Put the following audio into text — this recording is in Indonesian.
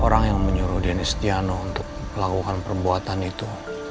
orang yang menyuruh dianistiano untuk melakukan perbuatan itu